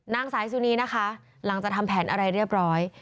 นางสายสุนีนะคะหลังจากทำแผนอะไรเรียบร้อย